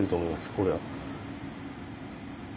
これは。